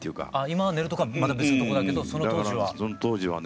今は寝るところはまた別のとこだけどその当時は。